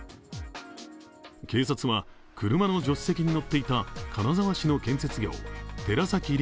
警察は車の助手席に乗っていた金沢市の建設業、寺崎太